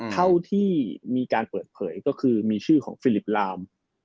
เท่าที่มีการเปิดเผยก็คือมีชื่อของฟิลิปลาม